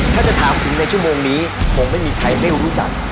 ถ้าจะถามถึงในชั่วโมงนี้คงไม่มีใครไม่รู้จัก